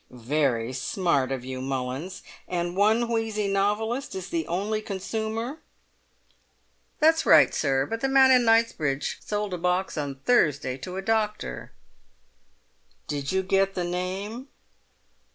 "Very smart of you, Mullins! And one wheezy novelist is the only consumer?" "That's right, sir, but the man in Knights bridge sold a box on Thursday to a doctor." "Did you get the name?"